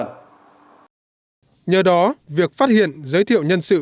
nhờ đó việc phát hiện giới thiệu nhân sự